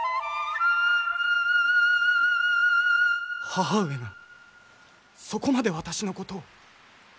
母上がそこまで私のことを？